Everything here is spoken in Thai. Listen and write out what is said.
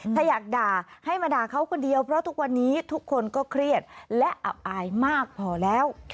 ถ้าอยากด่าให้มาด่าเขาคนเดียวเพราะทุกวันนี้ทุกคนก็เครียดและอับอายมากพอแล้ว